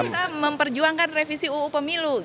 apa yang akan diperjuangkan revisi uu pemilu